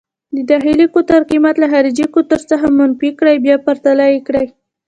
د داخلي قطر قېمت له خارجي قطر څخه منفي کړئ، بیا پرتله یې کړئ.